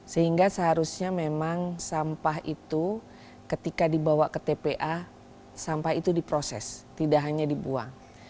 sehingga seharusnya memang sampah itu ketika dibawa ke tpa sampah itu diproses tidak hanya dibuang